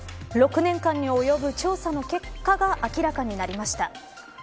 ６年間に及ぶ調査の結果が明らかになりました。